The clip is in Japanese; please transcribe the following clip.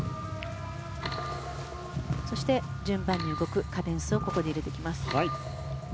そして、順番に動くカデンスをここで入れてきます。